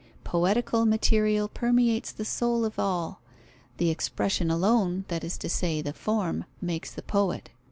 Poetical material permeates the Soul of all: the expression alone, that is to say, the form, makes the poet.